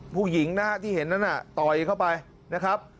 ผู้หญิงนะฮะที่เห็นนั้นต่อยเข้าไปนะครับ